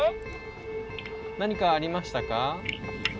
何かありましたか？